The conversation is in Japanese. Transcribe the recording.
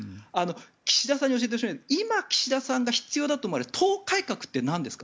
岸田さんに教えてほしいのは今、岸田さんが必要だと思う党改革ってなんですか？